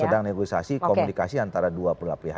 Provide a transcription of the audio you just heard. sedang negosiasi komunikasi antara dua perlapih